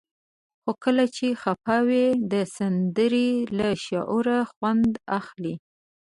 خو کله چې خفه وئ؛ د سندرې له شعره خوند اخلئ.